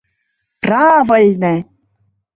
— Правыльне!..